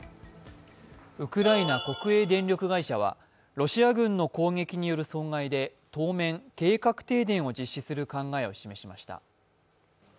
ウクライナ国営電力会社はロシア軍の攻撃による損害で当面、計画停電を実施する考えを示しました。